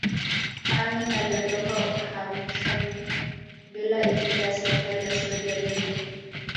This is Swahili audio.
Amin aliondoka uhamishoni bila idhini ya serikali ya Saudi Arabia